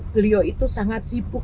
beliau itu sangat sibuk